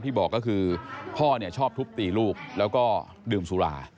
บอกก็คือพ่อชอบทุบตีลูกแล้วก็ดื่มสุรา